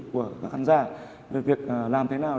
của các khán giả về việc làm thế nào